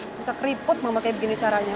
nggak usah keriput mama kayak begini caranya